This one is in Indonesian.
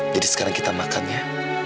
jadi sekarang kita makan ya